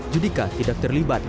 judika tidak terlibat